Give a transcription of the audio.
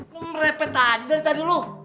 lu merepet aja dari tadi lu